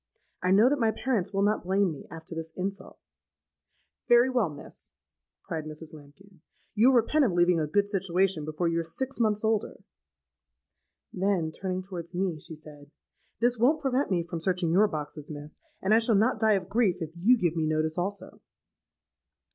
I know that my parents will not blame me, after this insult.'—'Very well, miss,' cried Mrs. Lambkin; 'you'll repent of leaving a good situation before you're six months older.' Then, turning towards me, she said, 'This won't prevent me from searching your boxes, miss; and I shall not die of grief if you give me notice also.'